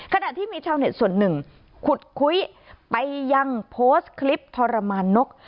ขณะที่มีชาวเน็ตส่วนหนึ่งขุดคุยไปยังโพสต์คลิปทรมานนก